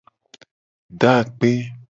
Do akpe.